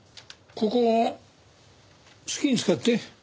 ここ好きに使って。